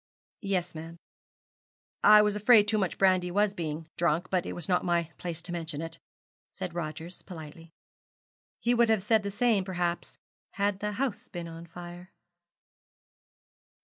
'Yes, ma'am. I was afraid too much brandy was being drunk, but it was not my place to mention it,' said Rogers, politely. He would have said the same, perhaps, had the house been on fire.